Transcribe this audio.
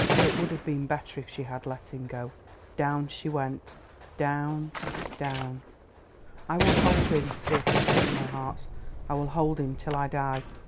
It would have been better if she had let him go. Down she went—down, down! "I will hold him," Beatrice said in her heart; "I will hold him till I die."